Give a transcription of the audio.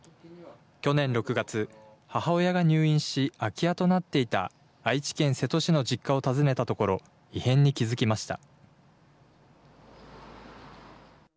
去年６月、母親が入院し、空き家となっていた愛知県瀬戸市の実家を訪ねたところ、異変に気付きました。